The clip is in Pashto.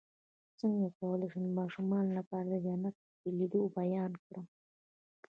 څنګه کولی شم د ماشومانو لپاره د جنت د لیدلو بیان کړم